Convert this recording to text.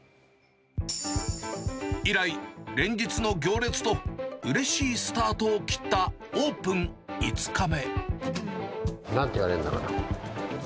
以来、連日の行列とうれしいスタートを切ったオープン５日目。なんて言われるんだろうな。